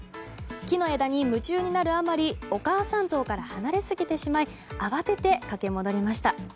木の枝に夢中になるあまりお母さんゾウから離れすぎてしまい慌てて駆け戻りました。